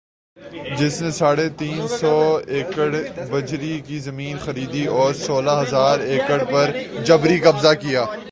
جس نے ساڑھے تین سو ایکڑبحریہ کی زمین خریدی اور سولہ ھزار ایکڑ پر جبری قبضہ کیا